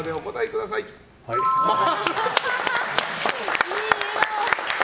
いい笑顔！